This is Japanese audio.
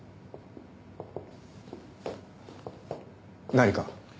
何か？